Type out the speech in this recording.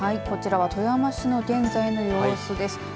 こちらは富山市の現在の様子です。